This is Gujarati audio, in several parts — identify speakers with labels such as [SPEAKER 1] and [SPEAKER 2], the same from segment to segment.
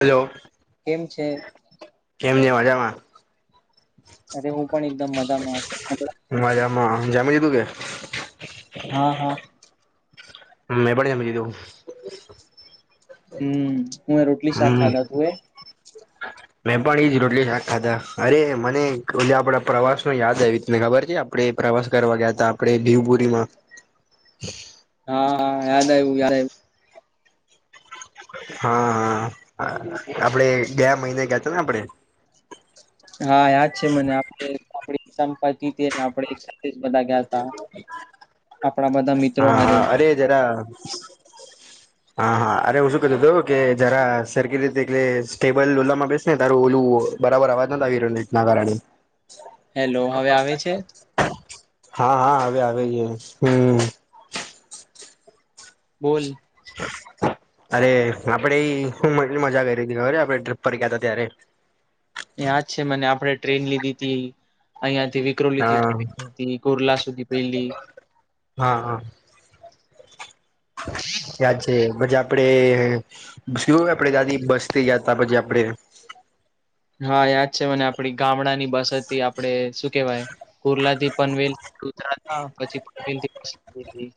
[SPEAKER 1] હલો,
[SPEAKER 2] કેમ છે?
[SPEAKER 1] કેમને મજામાં.
[SPEAKER 2] અરે હું પણ એકદમ મજામાં
[SPEAKER 1] માજામાં જામી લીધું કે,
[SPEAKER 2] હા હા,
[SPEAKER 1] મેં પણ અમીરો,
[SPEAKER 2] હમ હું એ રોટલી શાક ખાધા તું એ,
[SPEAKER 1] હ, મેં પણ એજ રોટલી શાક ખાધા અરે મનેજ આપડા પ્રવાસ નો યાદ આવી તને ખબર છે આપ આપડે પ્રવાસ કરવા ગયા તા આપણે દીવપુરી માં,
[SPEAKER 2] હા હા યાદ આવ્યું યાદ
[SPEAKER 1] હા હા આપડે ગયા મહિને ગયા હતા ને આપડે,
[SPEAKER 2] હા યાદ છે મને આપણે આપ સંપતિ ને આપ સાથે બધા ગયા તા, આપણા બધા મિત્રો
[SPEAKER 1] હા
[SPEAKER 2] હારે,
[SPEAKER 1] હા અરે જરા, હા હા અરે હું શું કેતો હતો કે જરા સરખી રીતે એટલે સ્ટેબલ ઓલામાં બેસ. તારું ઓલું બરાબર અવાજ નથી આવી રહ્યો નેટ ના કારણે.
[SPEAKER 2] હેલો હવે આવે છે
[SPEAKER 1] હા હા હવે આવે છે હમ.
[SPEAKER 2] બોલ.
[SPEAKER 1] અરે આપડે હું મની મજા કરી હતી અરે આપડે ટ્રીપ પર ગયા હતા ત્યારે.
[SPEAKER 2] યાદ છે મને આપડે ટ્રેન લીધી તી અહિયાથી વિ.
[SPEAKER 1] અ
[SPEAKER 2] ક્રોલી કોરલા સુધી પેલી.
[SPEAKER 1] હા હા. યાદ છે પછી આપડે. શું આપડે દાદી બસથી ગયાતા પછી આપડે.
[SPEAKER 2] હા યાદ છે મને આપડી ગામડા ની બસ હતી. આપડે શું કેવાય કુર્લા થી પનવેલ ઉતરા થા પછી પનવેલ થી પછી બસ લીધી.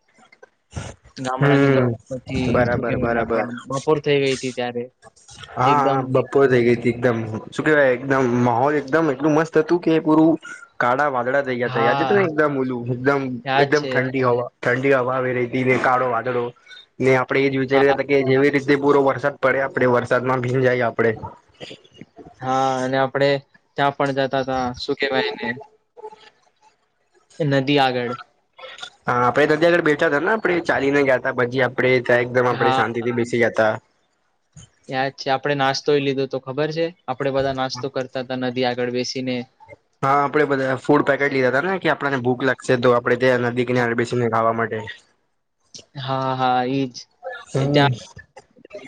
[SPEAKER 2] ગામડાની
[SPEAKER 1] હમ
[SPEAKER 2] બસ પછી શું
[SPEAKER 1] બરાબર
[SPEAKER 2] કેવાય
[SPEAKER 1] બરાબર.
[SPEAKER 2] આપણા બપોર થઈ ગઈ હતી ત્યારે.
[SPEAKER 1] હા હા
[SPEAKER 2] એકદમ
[SPEAKER 1] બપોર થઈ ગઈ હતી. એકદમ શું કેવાય એકદમ માહોલ એકદમ એટલું મસ્ત હતું કે પૂરું કાળા વાદળા. થઈ ગયા હતા યાદ છે
[SPEAKER 2] હા
[SPEAKER 1] તને એકદમ ઉલું એકદમ
[SPEAKER 2] યાદ
[SPEAKER 1] એકદમ
[SPEAKER 2] છે
[SPEAKER 1] ઠંડી હવા. ઠંડી હવા આવી રહીતી ને કાળો વાદળો ને આપડે એ જ વિચારી
[SPEAKER 2] હા
[SPEAKER 1] રયા હતા. કે જેવી રીતે પૂરો વરસાદ પડે આપડે વરસાદમાં ભીંજાય આપડે.
[SPEAKER 2] હા અને આપડે ત્યાં પણ જતા હતા સુ કેવાય એને. નદી આગળ.
[SPEAKER 1] હા આપડે નદી આગળ બેઠા હતા ને આપડે ચાલી ને ગયા હતા ભજી. આપણે ત્યા એકદમ આપડે
[SPEAKER 2] હા
[SPEAKER 1] શાંતિ થી બેસી ગ્યાતા.
[SPEAKER 2] યાદ છે આપડે નાસ્તોય લીધો તો ખબર છે આપડે બધા નાસ્તો કરતા હતા નદી આગળ બેસીને.
[SPEAKER 1] હા આપડે બધા ફૂડ પેકેટ લીધા હતા ને કે આપને ભૂખ લાગ. સે તો આપડે ત્યાં નદી કિનારે બેસીને ખાવા માટે.
[SPEAKER 2] હા હા ઈજ
[SPEAKER 1] હમ
[SPEAKER 2] ત્યાં.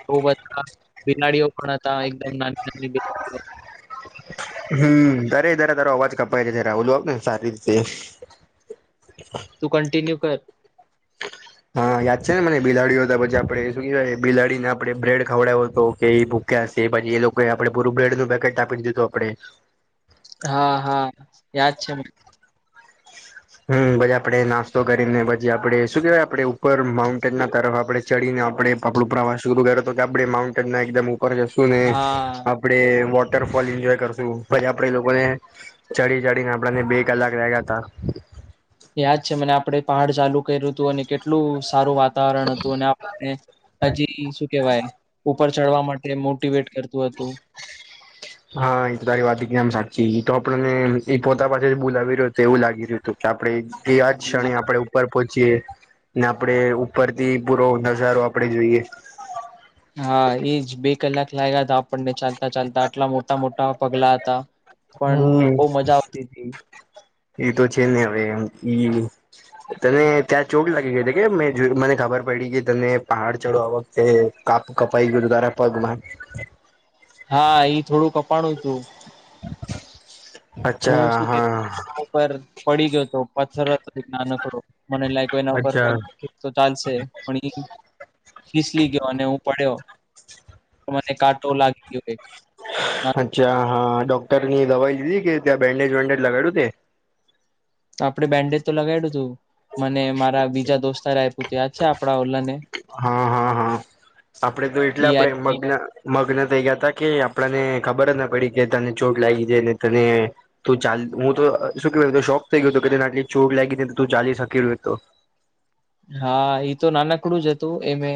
[SPEAKER 2] બઉ બધા બિલાડીઓ પણ હતા એકદમ નાની નાની બિલાડીઓ.
[SPEAKER 1] હમ અરે તારે તારો અવાજ કપાય છે જ્યારે રાહુલ સારી રીતે.
[SPEAKER 2] તું કંન્ટિન્યુ કર.
[SPEAKER 1] હા યાદ છે ને મને બિલાડીઓ હતા પછી આપડે બિલાડીને આપણે બ્રેડ ખવડાવ્યો તો કે એ ભુ. ખ્યા પછી એ લોકોએ આપણે પૂરું બ્રેડનું પેકેટ આપી દીધું આપડે.
[SPEAKER 2] હા હા યાદ છે મને.
[SPEAKER 1] હમ પછી આપડે નાસ્તો કરીને પછી આપડે શું કેહેવાય આપડે ઉપર માઉન્ટેન ના તરફ આપડે. ચડીને આપણે પાપડું પ્રવાસું કે આપડે માઉન્ટન એકદમ ઉપર જશું ને.
[SPEAKER 2] હા
[SPEAKER 1] આપણે વોટરફોલ એન્જોય કરશું પછી આપડે એ લોકોને. ચડી ચડીને આપણને બે કલાક લાયગાતા.
[SPEAKER 2] યાદ છે મને આપડે પહાડ ચાલુ કર્યું હતું અને કેટલું સારું વાતાવરણ હતું અને. હજી શું કેવાય ઉપર ચડવા માટે મોટીવેટ કરતું હતું.
[SPEAKER 1] [inaudible] હા એ તો તારી વાત એકદમ સાચી તો આપણને એ પોતા પાસે બોલાવી રહ્યો હોય એવું લાગી રહ્યું હતું. આપણેે તેવા જ ક્ષણે આપડે ઉપર પહોંચીએ ને આપડે ઉપર. તે પૂરો નજારો આપણેે જોઈએ.
[SPEAKER 2] હા ઈજ બે કલાક લાગ્યા હતા આપણને ચાલતા ચાલતા આટલા મોટા મોટા પગલા હતા. પણ બોવ મજા આવતીતી.
[SPEAKER 1] ઈ તો છે ને હવે એમ ઇવ તને ત્યાં ચોટ લાગી ગઈ હતી કે મે જો મને ખબર પયડી કે તને પહાડ ચડવા એ કાપ કપાઈ ગ‌ઉ તુ તારા પગમાં
[SPEAKER 2] હા, ઈ થોડું કપાણું તુ
[SPEAKER 1] અચ્છા
[SPEAKER 2] હું શું કે
[SPEAKER 1] હા
[SPEAKER 2] ઉપર પડી ગ્યો તો પથ્થર હત એક નાનકડો મને લાયગો એના ઉપર
[SPEAKER 1] અચ્છા
[SPEAKER 2] પગ [inaudible] ચાલશે પણ ઈ ફીસલી ગ્યો અને હું પડ્યો, મને કાંટો લાગી ગ્યો એક
[SPEAKER 1] અચ્છા હા ડોક્ટરની દવાઈ લીધી કે ત્યાં બેન્ડેજ વેન્ડેજ લગાડ્યું તે
[SPEAKER 2] આપડે બેન્ડેજ તો લગાડુ તુ મને મારા બીજા દોસ્તારે આપ્યુ તુ યાદ છે આપડા ઓલા ને
[SPEAKER 1] હા હા હા આપડે તો એટલા
[SPEAKER 2] ઈ
[SPEAKER 1] પ્રેમ મગ્ન મગ્ન થઈ ગ્યા તા કે આપડાને ખબર જ ન પડી કે તને ચોટ લાયગી છે ને તને તું ચાલ હું તો શું કેવ શોક થઈ ગ્યો તો તેને આટલી ચોટ લાયગી છે તો તું ચાલી શકી એક તો
[SPEAKER 2] હા ઈ તો નાનકડું જ હતું એમે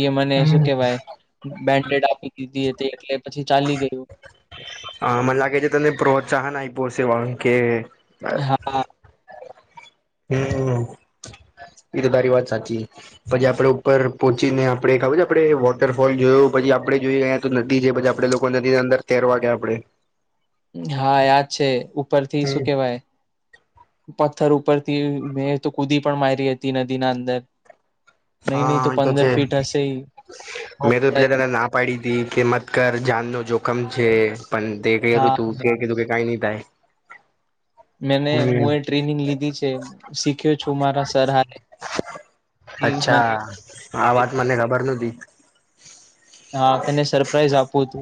[SPEAKER 2] ઇએ મને શું
[SPEAKER 1] હમ.
[SPEAKER 2] કેવાય બેન્ડેડ આપી દીધી હતી એટલે પછી ચાલી ગયું
[SPEAKER 1] હા મન લાગે છે તને પ્રોત્સાહન આયપુ હસે [unintelligible]
[SPEAKER 2] હા આ
[SPEAKER 1] હમમ ઈ તો તારી વાત સાચી પછી આપડે ઉપર પોંચીને આપડે ખબર છે આપડે વોટરફોલ જોયુ પછી આપડે જોઇ અયા તો નદી જે પછી આપડે લોકો નદી અંદર તેરવા ગ્યા આપડે
[SPEAKER 2] હા યાદ છે ઉપરથી શું
[SPEAKER 1] હમ
[SPEAKER 2] કેવાય પથ્થર ઉપરથી મેં તો કૂદી પણ માયરી હતી નદીના અંદર નહી નહી
[SPEAKER 1] હા ઈ તો
[SPEAKER 2] પંદર
[SPEAKER 1] છે,
[SPEAKER 2] ફીટ હશે ઈ
[SPEAKER 1] મેં તે પેલે પેલા લા પડીતી કે મત કર જાનનો જોખમ છે, પણ તે કયરુ
[SPEAKER 2] હા
[SPEAKER 1] તુ કે તે કીધું કે કાંઈ ની થાય
[SPEAKER 2] મેને
[SPEAKER 1] હમ
[SPEAKER 2] હું એ ટ્રેનિંગ લીધી છે. શીખ્યો છું મારા સર હારે ઈ મને
[SPEAKER 1] અચ્છા. આ વાત મને ખબર નતી
[SPEAKER 2] હા તને સરપ્રાઈઝ આપવુતુ,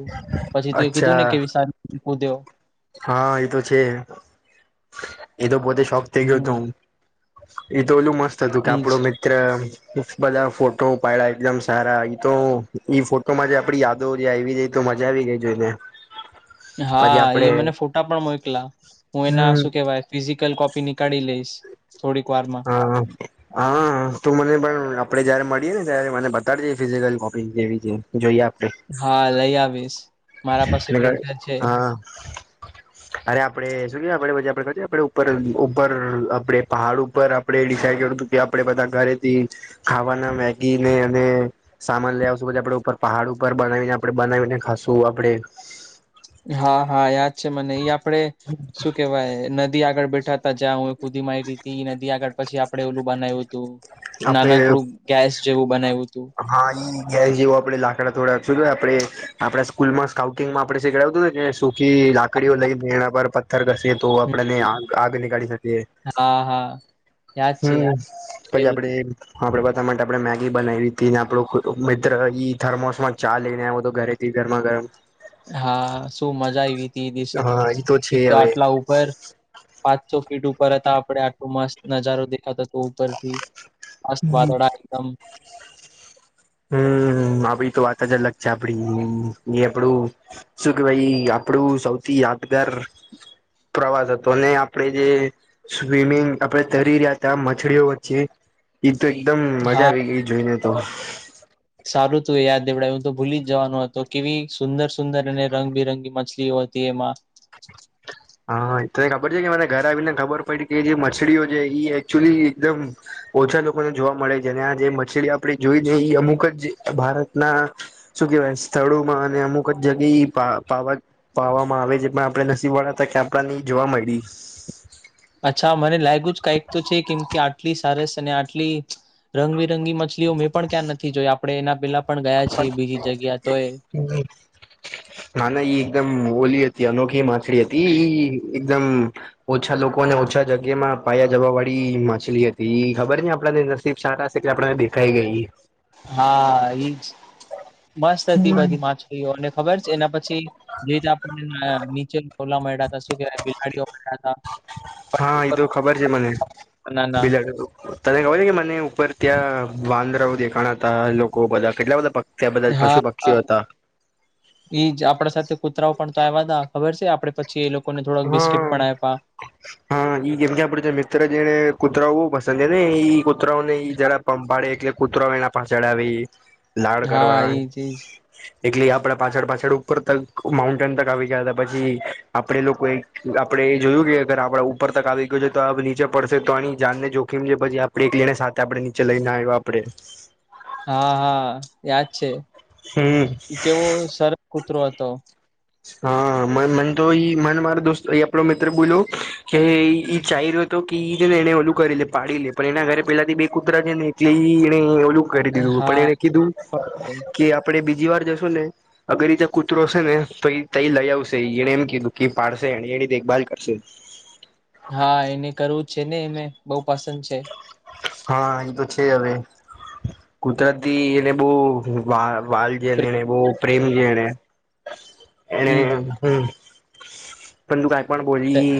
[SPEAKER 2] પછી તું એ કીધું
[SPEAKER 1] અચ્છા
[SPEAKER 2] ને કે વિસાલ કૂદ્યો.
[SPEAKER 1] હા ઈ તો છે. એ તો પોતે શોક થઇ ગ્યો તો
[SPEAKER 2] હમ
[SPEAKER 1] હું એ તો ઓલું મસ્ત હતું કે
[SPEAKER 2] એજ
[SPEAKER 1] આપડો મિત્ર પુફ બધા ફોટો પાયડા એકદમ સારા ઈ તો ઈ ફોટો માં જે આપડી યાદો જે આયવી એ તો મજા આવી ગઈ જોઈને પછી
[SPEAKER 2] હા
[SPEAKER 1] આપડે
[SPEAKER 2] ઈએ મને ફોટા પણ મોયકલા હું એના
[SPEAKER 1] હમ
[SPEAKER 2] શું કેવાય ફિઝિકલ કોપી નીકાળી લઈશ થોડીક વારમાં
[SPEAKER 1] હા હા તું મને પણ આપડે જયારે મળીએ ને ત્યારે મને બતાડજે ફિઝિકલ કોપી જેવી છે જોઈએ આપડે.
[SPEAKER 2] હા લઈ આવીશ. મારા પાસે પ્રિન્ટર છે
[SPEAKER 1] [unintelligible] હા હારે આપડે શું કે આપડે મજા આપે પછી ઉપર ઉપર આપડે પહાડ ઉપર આપ આપડે ડિસાઇડ કર્યુ તુ કે આપડે બધા ઘરેથી ખાવાના મેગીને અને સામાન લઈ આવશુ પછી આપડે પહાડ ઉપર બનાવીને આપણે બનાવીને ખાશુ આપડે
[SPEAKER 2] હા હા યાદ છે મને ઈ આપડે શું કેવાય નદી આગળ બેઠા ત જ્યાં હું ખુદી માયરીતી નદી આગળ પછી આપણે ઓલું બનાયવુ તુ.
[SPEAKER 1] આપડે
[SPEAKER 2] નાનકડું ગેસ જેવું બનાયવુ તુ.
[SPEAKER 1] હા ઈ ગેસ જેવુ આપડે લાકડા થોડા શું જોય આપડે આપડા સ્કૂલમાં સ્કાઉટિંગમાં આપડે શીખડાવ્યું તુ ને જે સુખી લાક લકડીઓ લઈને તેણા પર પથ્થર કસી તો આપને આ આગ નીકળી શકીએ
[SPEAKER 2] હા હા યાદ છે
[SPEAKER 1] હમ પછી આપડે આપડે બધા માટે આપણે મેગી બનાવી. થી આપણો મિત્ર થર્મોસમાં ચા લઈને આવયો તો ઘરેથી ગરમા- ગરમ
[SPEAKER 2] હા શું મજા આવી હતી એ દિસે તો
[SPEAKER 1] હા એ છે
[SPEAKER 2] એક તો
[SPEAKER 1] હવે
[SPEAKER 2] આટલા ઉપર પાંચસો ફીટ ઉપર હતા. આપડે આટલો મસ્ત નજારો દેખાતો તો ઉપરથીસ્ વાદળ એકદમ
[SPEAKER 1] હમ આપડી તો વાત જ અલગ છે આપડી એ આપડું શું કે વાઈ આપડું સૌથી યાદગાર પ્રવાસ હતો ને આપણેે જે સ્વિમિંગ આપડે તરી રહ્યા હતા, મછડીઓ વચ્ચે ઈ તો એકદમ મજા
[SPEAKER 2] હા
[SPEAKER 1] આવી ગઈ જોઈને તો
[SPEAKER 2] સારું તું એ યાદ દેવડાયુ તો ભૂલી જ જવાનો હતો. કેવી સુંદર સુંદર અને રંગબિરંગી મછલીઓ હતી એમાં
[SPEAKER 1] હા તને ખબર છે કે મને ઘરે આવીને ખબર પડી કે જે મચડીઓ છે એકચુઅલી એકદમ ઓછા લોકોને જોવા મળે છે, ને આ જે મછલી આપણે જોઈ લઈએ એ અમુક જ ભારતના શું કેવાય સ્થળોમાં અને અમુક જ જગ્યા પાવ પાવામાં આવે છે, પણ આપડે નસીબવાળ હતા કે આપડાને ઇ જોવા મળી
[SPEAKER 2] અચ્છા મને લાગ્યું જ કઈક તો છે કેમ કે આટલી સરસ અને આટલી રંગબિરંગી મછલીઓ મેં પણ ક્યાં નથી જોઈ. આપડે એના પેલા પણ ગયા છીએ બીજી જગ્યા તો એ
[SPEAKER 1] હા ન ઈ એકદમ ઓલી હતી. અનોખી માછળ હતી ઈ એકદમ ઓછા લોકોને ઓછા જગ્યા માં પાયા જવા વાળી માછલી હતી. ઇ ખબર ન આપડને સારા છે કે આપડા ને દેખાઈ ગઈ
[SPEAKER 2] હા એઈજ મસ્ત હતી બધી માછલીઓને ખબર છે. એના પછી જે જ આપણને નીચેલ મળ્યા હતા શું કેવાય બિલાડીઓ મળ્યા હતા. પટલ
[SPEAKER 1] હા એ
[SPEAKER 2] ઉપર
[SPEAKER 1] તો ખબર છે. મને
[SPEAKER 2] બનાના
[SPEAKER 1] બિલાડ તો તને ખબર છે કે મને ઉપર ત્યાં વાંદરાઓ દેખાણાતા લોકો બધા કેટલા બધા તે બદલ પશુ પક્ષી હતા
[SPEAKER 2] એઈજ આપડા સાથે કૂતરાઓ પણ તો આવ્યાના ખબર છે, આપડે પછી એ લોકો
[SPEAKER 1] હું હા, જેમ કે આપડે મિત્ર જેને કૂતરાઓ બહુ પસંદ છે, ને એઈ કૂતરાઓ ને જરા, પંપાળે એટલે કૂતરો એના પાછડાવી લાડ કરવા
[SPEAKER 2] હા
[SPEAKER 1] આવે.
[SPEAKER 2] ઈજ ઈજ
[SPEAKER 1] એટલે આપડે પાછળ પાછળ ઉપર તક માઉન્ટેન તક આવી ગયા હતા પછી આપડે. કોઈ આપડે એ જોયું કે અગર આપડ ઉપર તક આવી ગયો છે, તો આ નીચે પડશે તો આની જાનને જોખીમ છે, પછી આપ એક લઈને સાથે આપડે નીચે લઈને આવ્યો આપડે,
[SPEAKER 2] હા, હા યાદ છે,
[SPEAKER 1] હમ્મ.
[SPEAKER 2] કેવો સરસ કૂતરો હતો.
[SPEAKER 1] હા મન તો મન માર દોસ્ત એ આપલો મિત્ર બોલો, કે ચાલોતો કે ને એને ઓલું કરી લે પાડી લે પણ એના ઘરે પેલા થી બે કૂતરા છે, ને જે એને ઓલું કરી દીધું પણ
[SPEAKER 2] હા
[SPEAKER 1] એને કીધું
[SPEAKER 2] પણ
[SPEAKER 1] કે‌ આપ, આપડે બીજીવાર જશું ને અગર રીતે કૂતરો છે, ને તઈ તય લઈ આવશે, એને એમ કીધું કે પાડશે એની દેખ બાલ કરશે,
[SPEAKER 2] હા એને કરવું જ છે, ને એને બહુ પસંદ છે.
[SPEAKER 1] હા એતો છે, હવે કુતરાતીથી એને બહુ વા વાલ જેને એને બહુ પ્રેમ છે, ને એને
[SPEAKER 2] ઈજ
[SPEAKER 1] હું, પણ તું કંઈ પણ બોલી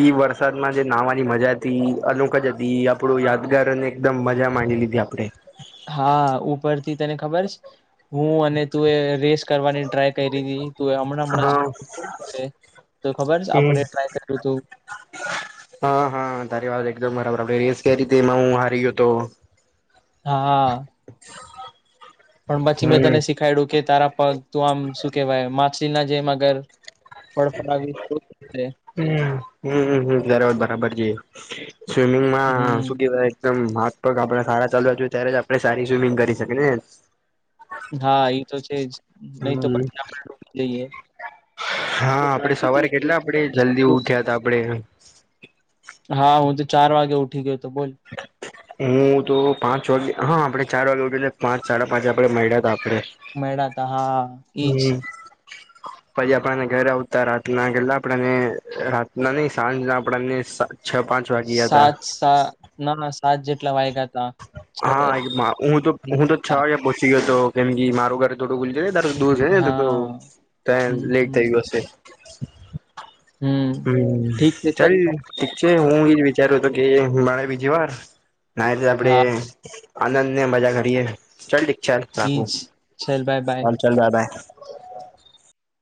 [SPEAKER 1] ઈ વરસાદ માં જે નાહવાની મજા થી અમુક જ એ આપડો યાદગાર અને એકદમ મજા માંડી લીધી આપડે.
[SPEAKER 2] હા ઉપરથી તને ખબર છે, હું અને તુંએ રેસ કરવાની ટ્રાય કરી હતી. તો હમણાં હમણાં
[SPEAKER 1] હા
[SPEAKER 2] તો ખબર
[SPEAKER 1] હમ
[SPEAKER 2] આપણે ટ્રાય કર્યું તું,
[SPEAKER 1] હા હા તારી વાત એકદમ બરાબર આપડે રેસ કે રીતે એમાં હું હારી ગયો હતો.
[SPEAKER 2] હા પણ પછી મેં તને
[SPEAKER 1] હમ
[SPEAKER 2] શીખવી. ખેડું કે તારા પગ તું આમ શું કહેવાય માછલીના જેમ અગર ફડફડાવીશ તો થશે
[SPEAKER 1] હું હું હ જરાર બરાબર છે. સ્વિમિંગ માં શું
[SPEAKER 2] હમ
[SPEAKER 1] કેવાય. એકદમ હાથપગ આપણે સારા ચાલવા છીએ ત્યારે જ આપણે સારી સ્વિમિંગ કરી શકીને
[SPEAKER 2] હાએ તો છે, જ નહીં તો
[SPEAKER 1] હમ
[SPEAKER 2] પછી આપણે રોકી જઈએ.
[SPEAKER 1] હા,
[SPEAKER 2] તો
[SPEAKER 1] આપડે સવારે
[SPEAKER 2] શાંતિથી
[SPEAKER 1] કેટલા આપણેે જલ્દી ઉઠ્યા હતા આપડે.
[SPEAKER 2] હા હું તો ચાર વાગે ઉઠી ગયો તો બોલ.
[SPEAKER 1] હ [inaudible] હું તો પાંચ વાગે હા આપડે ચાર વાગે ઉઠીને પાંચ સાડા પાંચે મળ્યા હતા આપડે.
[SPEAKER 2] મળાતા હતાં હા. ઈજ
[SPEAKER 1] હમ. પછી આપણાને ઘરે આવતા રાતના ગટલા આપણેને રાતના નહી સાંજના આપણને છ પાંચ વાગ્યા હતા
[SPEAKER 2] સાત સાના સાત જેટલા વાયગા હતા.
[SPEAKER 1] હુંતો હુંતો છ વાગ્યા પહોંચી ગયો હતો કેમ કે મારું ઘર. થોડું જાય નેત દૂર જને
[SPEAKER 2] હા
[SPEAKER 1] ત
[SPEAKER 2] હમ
[SPEAKER 1] લેટ
[SPEAKER 2] હમ
[SPEAKER 1] થયું હશે.
[SPEAKER 2] હમ
[SPEAKER 1] હુ
[SPEAKER 2] ઠીક છે સર
[SPEAKER 1] ચાલ ઠીક છે હું એજ વિચાર્યો હતો કે મારે બીજીવાર ના રીતે આપડે
[SPEAKER 2] હા
[SPEAKER 1] આનંદ ને મજા કરીએ, ચાલ ઈ ચાર ચાકુ,
[SPEAKER 2] ઈજ ચલ બાય બાય
[SPEAKER 1] હાલ ચલ જતા.